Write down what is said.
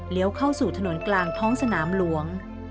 เข้าสู่ถนนกลางท้องสนามหลวง